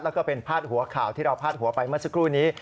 แล้วก็เป็นพาดหัวข่าวที่เราพาดหัวไปเมื่อสักครู่นี้